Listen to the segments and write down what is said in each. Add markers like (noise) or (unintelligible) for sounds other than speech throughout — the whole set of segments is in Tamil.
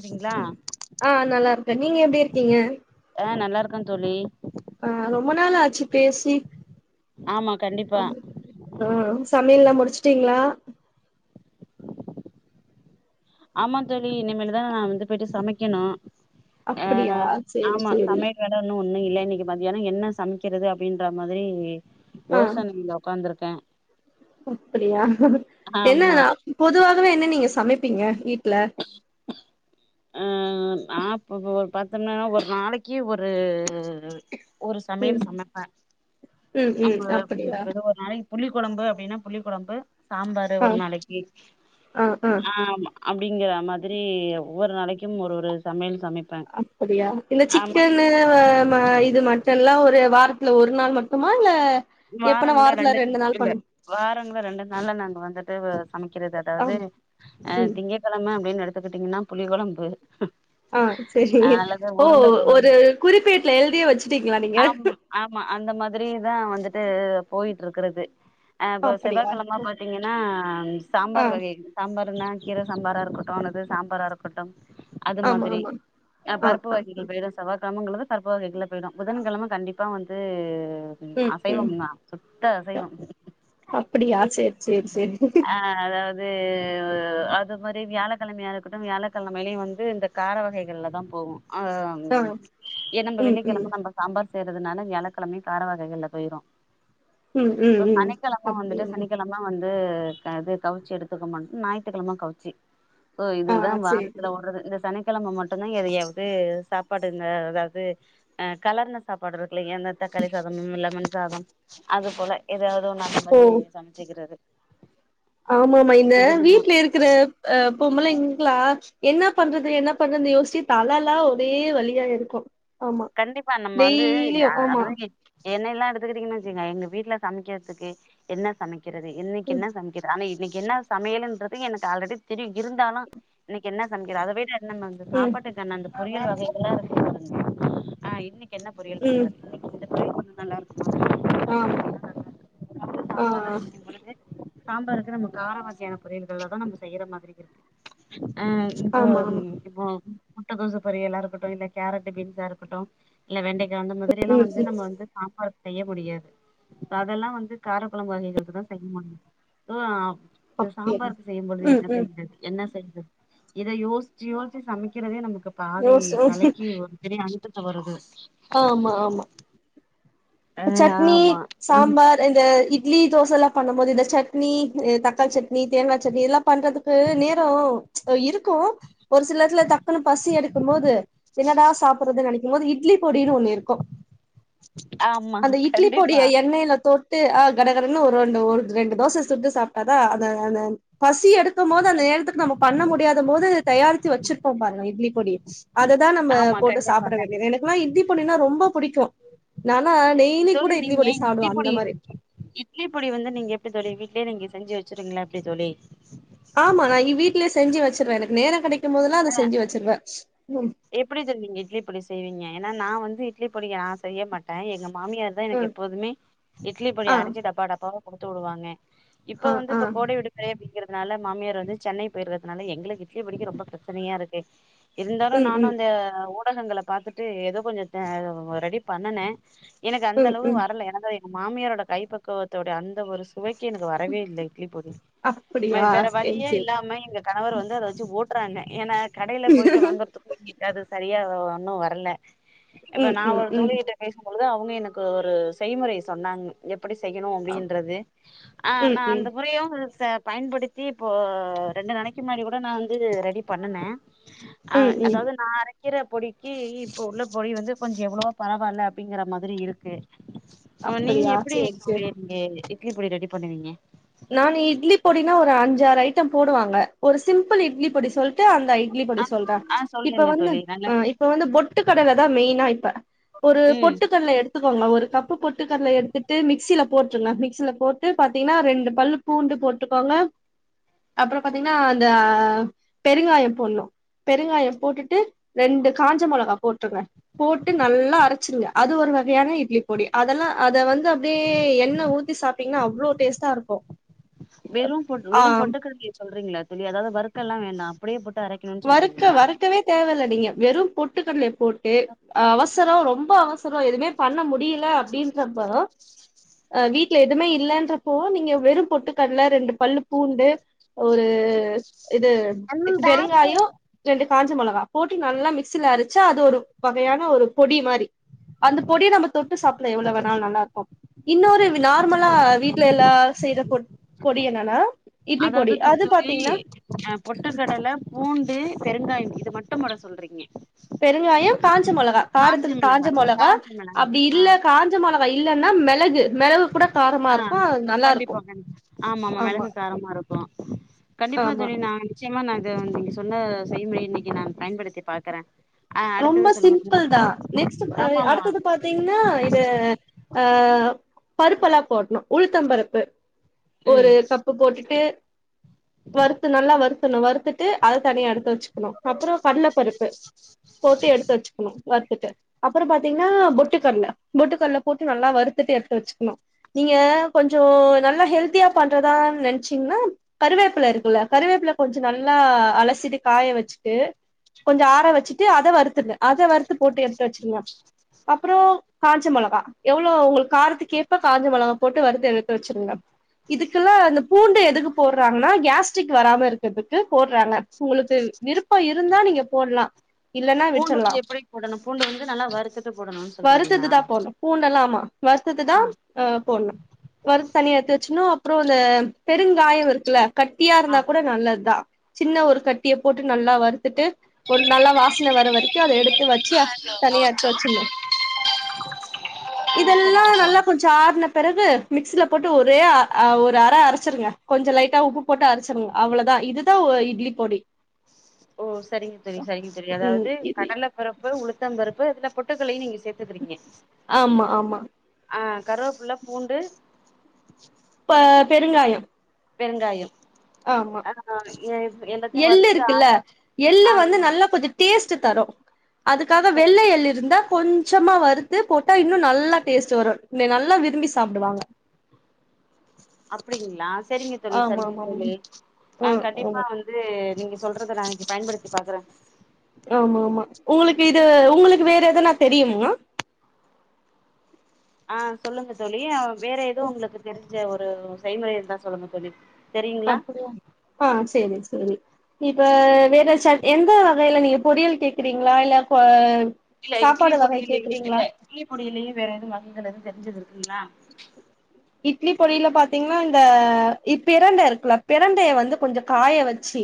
சரிங்களா ஆ நல்லா இருக்கே நீங்க எப்டி இருக்கீங்க இருக்க தோழி ஆ ரொம்ப நாளாச்சு பேசி ஆமா கண்டிப்பா (unintelligible) ஆ சமையல்லாம் முடிச் வச்சுட்டீங்களா ஆமா தோழி இனிமேலுதா நா வந்து போய்ட்டு சமைக்கணு ஆ அப்படியா சரி ஆமா சரி சமையல் வேல இன்னு இல்ல இன்னைக்கு மத்தியான என்ன சமைக்கிறது அப்டின்ற மாதிரி ஆ யோசனையில உக்காந்திருக் க்க அப்படியா ஆமா என்ன பொதுவாகவே என்ன நீங்கஸ் சமைப்பீங்க இ ட்ல நாப்ப ஒரு பத்த மனன்னா ஒரு நாளைக்கு ஒரு ஒரு ம் சமையல் சமைப்பே ம் ம் அவங்க வெ அப்படியா வெத ஒரு நாளைக் புளி கொழம்பு அப்படின்னா புளி கொழம்பு சாம்பாரு ஆ ஒரு நாளைக்கு ஆ ஆ ஆமா அப்டிங்கிற மாதிரி ஒவ்வொரு நாளைக்கும் ஒரு ஒரு சமையல் சமைப்பே அப்படியா இந்த ஆமா சிக்கன்ன ம இது மட்டன்ல்லா ஒரு வாரத்துல ஒரு நாள் மட்டுமா இல்ல எப்பனா வாரங்கள வாரத்துல ரெண்டு நாள் இல்ல பண்ணு வாரங்கள ரெண்டு நாள்ல நாங்க வந்துட்டு சமைக்கிறது ஆ அதாவது அ ம் திங்கக்கெழம அப்படின் பாத்துக்கிட்டீங்கன்னா புளி கொழம்பு ஆ சரி அல்லது ஓ உருண்ட கொழம்பு ஒரு குறிப்பேட்டுல எழுதியே வச்சுட்டீங்களா நீங்க ஆமா ஆமா அந்த மாதிரி தா வந்துட் இது போய்ட்ருக்கிறது அ இப்ப அப்படியா செவ்வாய்கெழம பாத்தீங்கன்னா ஆ சாம்பார் வகை சாம்பார்னா கீர சாம்பாரா இருக்கட்டு அல்லது சாம்பாரா இருக்கட்டும் அது ஆமா மாதிரி ஆமா ஆ பருப்பு வகைகள் பயிட செவ்வாகெலமங்களு அப்போது இதுல போயிடும் புதன்கெழம கண்டிப்பா வந்து அது ம் அ ம் அசைவம் தான் சுத்த அசைவம் அப்டியா சேரி சேரி சேரி ஆ அதாவ அது அது மாரி வியாழக்கெழமையா இருக்கட்டும் வியாழக்கெழமையிலயும் வந்து இந்த கார வகைகள்ல தான் போகும் ஆ ஆ ஏன் நம்ப ம் ம் வெள்ளிக்கெழம நம்ப சாம்பார் செய்யறதுனால வியாழக்கெழமை கார வகைகள்ள போயிடும் ம் ம் சோ ம் சனிக்கெழம வந்துட்டு அப்டியா சனிக்கெழம வந்து அது கவிச்சி எடுத்துக்க மாட்டோ ஞாயி்ட்டுக்கெழம கவிச்சி ஓ ஆ இதுதான் சேரி வாரத்துல ஓறது ரெண்டு சனி வெள்ளி கெழம மட்டும்தான் எதயாவது சாப்பாடுங்க அதாவது் கலந்த சாப்பாடு இருக்குல்ல எந்த தக்காளி சாதமும் லெமன் அது போல ஏதாவது நான் அந்த ஓ மாதிரி சமச்சிக்கிறது ஆமாமா இந்த நம்ம வீட்ல இருக்கிற அ பொம்பலைங்களா என்ன பண்றது என்ன பண்றது யோஸிச்சி தலாலா ஒரே வளியா இருக்கோ கண்டிப்பா நம்ம வந்து ஆமா அதாவது என்னெயெல்லா எடுத்துக்கிட்டீங்கன்னு வச்சுங்க எங்க வீட்ல சமைக்கிறதுக்கு என்ன சமைக்க கிறது இன்னிக்கு ம் என்ன சமைக்கிறது ஆனா இது இன்னிக்கு என்ன சமையலுங்கறது எனக்கு ஆல்ரெடி தெரியம் இருந்தாலும் இன்னிக்கு என்ன சமைக்கிறாறு அத விடு என் வந்து ம் சாப்பாட்டுக்கு அந்நந்து (unintelligible) ஆ இன்னிக் என்ன பொரியல் ம் பண்றது (unintelligible) கு நல்லா இருக்கும் ஆமா ஆ சாம்பார் ஆ அரைக்கும் பொழுது சாம்பாருக்கு நம்ம கார வகையான பொரியல்கள் தான் நம்ம செய்யற மாரி இருக்கு ஆ இப்போ ஆமா இ ஆமா இப்போ முட்ட கோசு பொரியலாக இருக்கட்டும் இல்ல கேரட் பீன் கே இருக்கட்டும் இல்ல வெண்டை அந்த மாதிரில்லாம் ம் வந்து ம் நம்ப வந்து சாம்பார் செய்ய முடியாது இப்ப அதெல்லாம் வந்து காரக்கொழம்பு வகைகளுக்கு தான் செய்ய முடியும் சோ இந்த அப்டியா சாம்பாருக்கு செய்யும்பொழுது ம் என்ன ம் செய்யறது என்ன செய் இத யோசிச்சு யோசிச்சு சமைக்கிறதே நமக்கு பாதி யோசிச்சு தலைக்கு ஒரு இதே அனுத்துத்து வருது ஆமா ஆமா ஆ இப்ப சட்னி ஆமா சாம்பார் இந்த இட் இட்லி தோசெல்லா பண்ணும் போது இந்த சட்னி எ தக்காளி சட்னி தேங்கா சட்னி இதெல்லா பண்றதுக்கு நேரோ ஆ இருக்கும் ஒரு சில எடத்துல தக்குன்னு பசி எடுக்கும் போது என்னடா சாப்பிடறது நெனைக்கும் போது இட்லி ப்டின்னு ஒண்ணு இருக்கும் ஆமா அந்த இட்லி பொடியை கண்டிப்பா எண்ணெயில தோட்டு ஆ கடகடன்னு ஒரு ரெண்டு ஒரு ரெண்டு தோசை சுட்டு சாப்ட்டாதா அது அந்தந் பசி எடுக்கும் போது அந்த நேரத்துக்கு நம்ம பண்ண முடியாத் க்தும்போது தயாரிச்சி வச்சிருப்போ பாருங்க இட்லி பொடி அததா நம்ப ஆமா போட்டு கண்டிப்பா சாப்புட கண்டிப்பா வேண்டியது எனக் ப்பல்லா இட்லி பொடினா ரொம்போ புடிக்கு நான் தோழி நீங்க இட்லி பொடி இட்லி பொடி வந்து நீங்க எப்டி தோழி வீட்லே நீங்க செஞ்சு வெச்சுருங்களா எப்டி தோழி ஆமா நான் இ வீட்லே செஞ்சு வச்சுருவ எனக்கு நேரோ கடைக் ட்டு போதுல்லா அத செஞ்சி வெச்சருவ எப்புடி தோழி நீங்க இட்லி பொடி செய்வீங்க ஏன்னா நா வந்து இட்லி பொடிய நா செய்ய மாட்டே எங்க ம் மாமியார் தா எனக்கு ம் எப்போதுமே இட்லி பொடி ஆ அரைச்சு டப்பா டப்பாவா குடுத்து விடுவாங்க இப்ப ஆ வந்து ஆ இப்ப கோடை விடுமுறை அப்புடிங்கிற னால மாமியார் வந்து சென்னை போயிட்றதுனால எங்களுக்கு இட்லி பொடிக்கி ரொம்ப பிரச்சனையா இருக்கு இ அ ம் நானும் ம் அந்த ஓட் ஊடகங்கள பாத்துட்டு ஏதோ கொஞ்சம் தே வ் ரெடி பண்ணுனே எனக்கு அந்த ம் அளவு ம் வரல எனக்காவே மாமியாரோட கை பக்குவத்தோடைய அந்த ஒரு ஸ் இதுவரைக்கும் எனக்கு வரவே இல்லை இட்லி பொடி மை அப்படியா வேற சேரி வழியே சேரி இல்லாம எங்க கணவர் வந்து அத வச்சு ஓட்டுறா ஏன்னா கடையில் போய்டிட்டு வாங்குறது அது சரியா ஒன்னும் வர்ல அத்தா ம் நா ம் ஒரு ம் தோழி கிட்ட பேசும் பொழுது அவங்க எனக்கு ஒரு செய்முறை சொன்னாங்க எப் ப்படி செய்யணும் அப்- அப்டின்றது ஆ ம் நா ம் அந்த முறையும் (unintelligible) பயன்படுத்தி இப்போ ரெண்டு நாளைக்கு முன்னாடி கூட நா வந்து ரெடி பண்ணுனே ஆ ம் ம் அதாவது நா அரைக்கிற பொடிக்கு இப்போ உள்ள பொடி வந்து கொஞ்ச எவ்வளோவோ பரவால்ல அப்டிங்கிற மாதிரி இருக்கு ஓ நீங்க அப்படியா எப்டி சேரி சேரி (unintelligible) (unintelligible) போடி ரெடி பண்ணுவீங்க நானு இட்லி பொடினா ஒரு அஞ்சாறு போடுவாங்க ஒரு சிம்பிள் இட்லி பொடி சொல்ட்டு அந் இட்லி பொடி சொல்றே ஆ இப்ப சொல்லுங்க வந்து தோழி நாங்க இப்ப வந்து பொட்டுக்கடல தான் மெயின்னா இப்ப ஒரு ம் பொட்டுக்கடல எடுத்து ங்க ஒரு கப்பு போட்டுக்கட்ல எடுத்துட்டு மிக்சில போட்டுருங்க மிக்சில போட்டு பாத்தீங்கன்னா ரெண்டு பல்லு பூண்டு போட்டுக்கோங்க அப்பறோ பாார்த்தீங்கன்னா அந்த பெருங்காயம் போட்னு பெருங்காயம் போட்டுட்டு ரெண்டு காஞ்ச மொளகா போட்டுருங்க போட்டு நல்லா அரைச்சுருங்க அது ஒரு வகையான இட்லி பொடி அதெல்லா அது வந்து அப்படியே எண்ணெ ஊத்தி சாப்பிட்டிங்கன்னா அவ்ளோ டேஸ்ட்டா இருக்கு வெறும் பொட் ஆ வெறு பொட்டுக்கட்லய சொல்றீங்களா தோழி அதாவது வருக்கலா வேண்டா அப்படியே அரைக்கணுன்னு வறுக்க சொல்றீங்களா வறுக்கவே தேவல நீங்க வெறு போட்டு போட்டுகட்லய போட்டு அவசரோ ரொம்ப அவச எதுவுமே பண்ண முடில அப்படின்றப்ப அ வீட்ல எதுவுமே இல்லைன்றப்போ நீங்க வெறு பொட்டுக்கட்ல ரெண்டு பல்லு பூண்டு ஒரு இது இ பெறுங் ஆயோ ரேண்டு காஞ்ச மொளகா போட்டி நல்லா மிக்சில அரச்சு அது ஒரு வகையான ஒரு பொடி மாரி அந்த பொடிய நம்ம தொட்டு சாப்லா எவ்ளோ வேணாலு நல்லா இருக்கூ இன்னொரு நார்மலா வீட்ல எல்லா செய்ற பொட் பொடி என்னன்னா இட்லி அதாவது பொடி அது துத்துளி பாத்தீங்கன்னா அ பொட்டக்கடல பூண் டு பெருங்காயம் இது மட்டு போட சொல்றீங்க பெருங்காயம் காஞ்ச மொளகா காரத்துக்கு மிளகா காஞ்ச மொளகா காஞ்ச மிளகா அப்டி ஆ இல்ல காஞ்ச மொளகா இல்ல இல்லனா மிளகு மிளகு ஆ கண்டிப்பா கண்டிப்பா ஆமா ஆமா மிளகு காரமா இருக்கூ கண்டிப்பா ஆமா தோழி நா நிச்சயமா நா இத் இது வந்து நீங்க சொன்ன செய்முறைய இன்னைக்கு நா பயன்படுத்தி பாக்கறே ரொம்ப சிம்பிள் தா நெக்ஸ்ட் அ ஆமா ஆமா அடுத்தது பாத்தீங்கன்னா இது ஆ பருப்பு எல்லாம் போட்ணு உளுத்த பருப்பு ஒரு ம் கப்பு போட்டுட்டு வருத்து நல்லா வருத் க்கனு வர்த்துட் விட்டு அத தனியா எடுத்து வெச்சுக்கணும் அப்புறோ கடல பருப்பு போட்டு எடுத்து வெச்சுக்கணு வருத்துட்டு அப்புறோ பாத்தீங்கன்னா பொட்டுக்கடலை பொட்டுக்கடல போட்டு நல்லா வருத்துட்டு எடுத்து வெச்சுக்கணும் நீங்க கொஞ்சோ நல்லா ஹெல்த்தியா பண்றதா நினைச்சீங்கன்னா கருவேப்பில இருக்குல்ல கருவேப்பில கொஞ்சோ நல்லா அலசிட்டு காய வெச்சுட்டு கொஞ்சோ ஆற வெச்சு டு அத வறுத்துங்க அத வறுத்து போட்டு எடுத்து வச்சிருங்க அப்புறோ காஞ்ச மொளகா எவ்வளோ உங்களுக்கு காரத்து கேப காஞ்ச மொளகா போட்டு வறுத்து எடுத்து வச்சிருங்க இதுக்கு எல்லாம் அந்த பூண்டு எதுக்கு போடுறாங்கன்னா கேஸ்டரிக் வராம இருக்கிறதுக்கு போடுறாங்க உங்களுக்கு விருப்பம் இருந்தா நீங்க போடலா இல்லன்னா பூண்டு விட்டுரலா வந்து எப்படி போடணு பூண்டு வந்து நல்லா வறுத்துட்டு போடணுன்னு வருத்தத்து சொல்றீங்களா தா போடணும் பூண்டு எல்லாம் ஆமா வருத்தத்து தா ஆ அ போடணும் வருத்து தனியா எடுத்து வெச்சுன்னும் அப்புறோ அந்த பெருங்காயம் இருக்குல்ல கட்டியா இருந்தா கூட நல்லது தா சின்ன ஒரு கட்டிய போட்டு நல்லா வருத்துட்டு நல்லா வாசன வர வரைக்கும் அத எடுத்து வெச்சு ஆ தனியா எத்து வெச்சிருனும் ஆ இதெல்லா சரிங்க நல்லா தோழி கொஞ்சோ ஆர்ன பிறகு மிக்சில போட்டு ஒரே அ ஒரு அர அரைச்சிருங்க கொஞ்சோ லைட்டா உப்பு போட்டு அரைச்சிருங்க அவ்வளோ தா இது தா இட்லி பொடி ஓ செரிங்க சரி சரிங்க தோழி ம் அதாவது இட்லி கடல பருப்பு உளுத் த்தம் பருப்பு இந்த பொட்டுகடளையு நீங்க சேர்த்துக்கிறீங்க ஆமா ஆமா ஆ கருவேப்புல்ல பூண்டு ப பெருங்காயம் பெருங்காயம் ஆமா ஆ எ எல்லாத்தையு எள்ளு வறுத்துட்டு ஆற இருக்குல்ல வச்சு எள்ளு ஆ வந்து இல்ல நல்லா கொஞ்சோ டேஸ்ட் தரோ அதுக்காக சரி வெள்ள எள் இருந்தா கொஞ்சமா வருறுத்து போட்டா இன்னும் நல்லா டேஸ்ட் வரும் நல்லா விரும்பி சாப்டுவாங்க அப்படிங்ளா சரிங்க தோழி ஆமா சரிங்க ஆமா ம் தோழி ஆ ம் கண்டிப்பா வந்து நீங்க சொல்றத நா இன்னைக்கு பயன்படுத்தி பாக்குறே ஆமா ஆமா உங்களுக்கு இது உங்களுக்கு வேற எதனா தெரியுமா ஆ சொல்லுங்க தோழி அ வேற எதுவும் உங்களுக்கு தெரிய தெரிஞ்ச ஒரு செய்முறை இருந்தா சொல்லுங்க தோழி தெரியுங்களா அப்படியா ஆ சரி சரி இப்ப வேற எந்த வகையில நீங்க பொறியல் கேக்றீங்களா இல்ல இல்ல இட்லி சாப்பாடு வகை பொடியிலேயே கேக்குறீங்களா இல்ல இட்லி பொடியிலேயே வேற எதுவும் வகைகள் எதுவும் தெரிஞ்சது இருக்குங்களா இட்லி பொடில பாத்திங்னா இந்த பிரண்டை இருக்குல பிரண்டைய வந்து கொஞ்ச காய வச்சு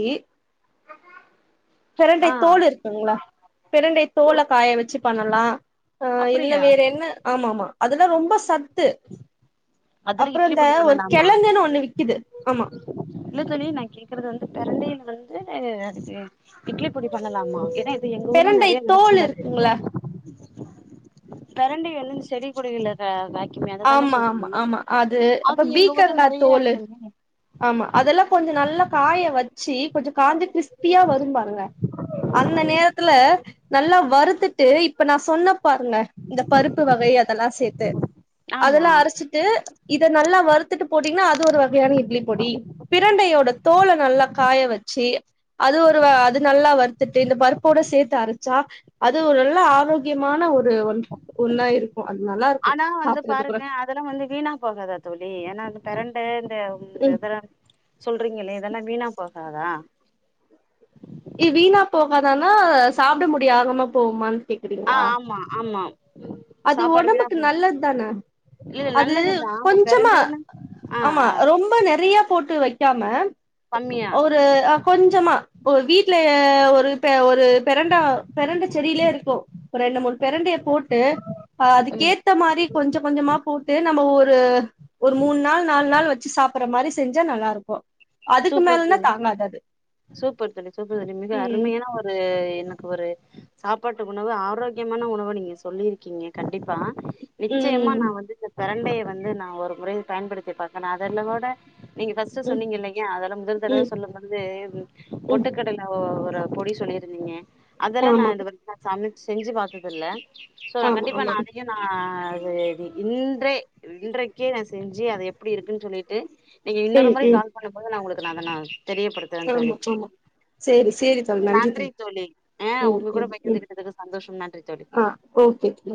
பிரண்டை ஆ தோல் இருக்குங்ளா பிரண்டை தோல காய வச்சு பண்ணலாம் அ இல்ல அப்படியா வேற என்ன ஆமாமா அதெல்லா ரொம்ப சத்து அதுல அப்புற இட்லி இந்த பொடி ஒரு பண்ணலாமா கெழங்குன்னு ஒண்ணு விக்குது ஆமா க்கறது வந்து பெரண்டைல வந்து அதுக்கு இட்லி பொடி பண்ணலாமா ஏன்னா எங்க ஊர்ல பிரண்டை நெறைய தோல் விளைச்சல்து இருக்குங்கள பெரண்டை ஒன்னு செடி கொடிய்ல்ல தா வாக்குமே அததான ஆமா ஆமா சொல்றீங்க ஆமா அது அப்ப அது எங்க ஊர்ல பீக்கங்கா நெறையா தோல் இருக்குமே ஆமா அதெல்லா கொஞ்ச நல்லா காய வச்சு கொஞ்ச காந்தகிஸ் சுத்தியா வரும் பாருங்க அந்த நேரத்துல நல்லா வருத்து த்து இப்ப நா சொன்ன பாருங்கள இந்த பருப்பு வகை அதெல்லா சேர் த்து ஆமா அதெல்லா அரைச்சிட்டு இத நல்லா வருத் த்துட்டு போட்டிங்கனா அது அது ஒரு வகையான இட்லி பொடி பிரண்டையோட தோல நல்லா காய வச்சு அது ஒரு அது நல்லா வறுத்துட்டு இந்த பருப்போட சேத்து அரைச்சா அது ஒரு நல்ல ஆரோக்கியமான ஒரு ஒ ஒன்னா இருக்கு அது நல்லா இருக்கு ஆனா வந்து சாப்புட்றதுக்கூட பாருங்க அதெல்லா வந்து வீணா போகாதா தோழி ஏன்னா அது பெரண் டா தம் ம் எதற சொல்றீங்களே இதெல்லா வீணா போகாதா வீணா போகாதானா சாப்ட முடிய ஆகாமா போம ஆ ஆமா ஆமா அது சாப்பாடு வீணா ஒடம்புக்கு போ நல்லத் தான இல்ல அது நல்லதுதா இப்ப கொஞ்சமா பெரண்டன்னு ஆ ஆமா ஆ ரொம்ப நெறைய போட்டு வைக் க்காம கம்மியா ஒரு அ கொஞ்சமா ஒரு வீட்டுல ஒரு பெ ஒரு பெரண்ட பெரண்டை செடியிலயே இருக்கு ஒரு ரெண்டு மூணு பெரண்டைய போட்டு அ ம் அதுக்கேத்த மாரி கொஞ்ச கொஞ்சமா போட்டு நம்ம ஒரு ஒரு மூண் நாள் நாலு நாள் வச்சு சாப்பற மாரி செஞ்சா நல்லாருக்கு சூப்பர் தோழி சூப்பர் தோழி சூப்பர் தோழி மிக ம் அருமையான ஒரு எனக்கு ஒரு சாப்பாட்டு உணவு ஆரோக்கியமான உணவ நீங்க சொல்லிருக்கீங்க கண்டிப்பா நிச்சயமா ம் நா வந்து இந்த பெரண்டய வந்து நா ஒரு முறை பயன்படுத்தி பாக்கனு அதுல்ல கூட நீங்க ஃபர்ஸ்ட் ம் சொன்னிங்கில்லைங் யா அதுல முதல் தடவ ம் சொல்லும்பொழுது ம் பொட்டுக்கடல ஒ ஒரு பொடி சொல்லிருந்திங்க அதெல்லா நா ஆமா இது வ நா சமை செஞ்சு பாத்ததில்ல சோ ஆமா கண்டிப்பா ஆமா நா அதையு நா சேரி இன்றே இன்றைக்கே நா செஞ்சு அத எப்டி இருக்குன் சொல்லிட்டு நீங்க இன்னொரு ம் முறை ம் கால் ப்ப உங்களுக்கு அத நா தெரியப்படுத்தறே தோழி ஆமா ஆமா சேரி சேரி தோழி நன்றி தோழி ஆ ம் உங்க கூட ம் ம் பகிர்ந்துகிட்டதுக்கு சந்தோஷம் நன்றி தோழி ஆ ஓகே ம்